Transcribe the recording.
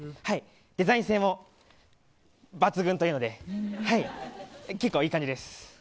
デザイン性も抜群というので結構いい感じです。